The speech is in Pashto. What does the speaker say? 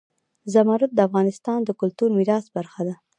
زمرد د افغانستان د کلتوري میراث برخه ده.